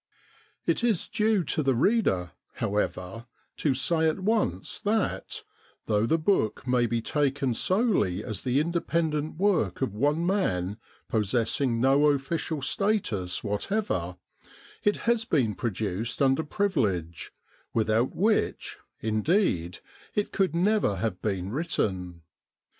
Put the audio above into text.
It is due to the reader, however, to say at once that, though the book must be taken solely as the independent work of one man possessing no official status whatever, it has been produced under privilege, without which, indeed, it could never have been written.